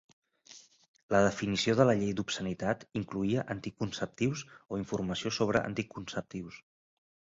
La definició de la llei d'obscenitat incloïa anticonceptius o informació sobre anticonceptius.